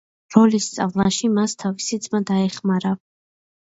როლის სწავლაში მას თავისი ძმა დაეხმარა.